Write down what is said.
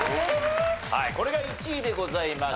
これが１位でございました。